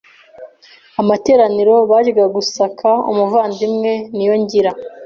amateraniro bajyaga gusaka Umuvandimwe Niyongira